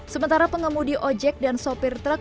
sementara pengemudi ojek dan sopir truk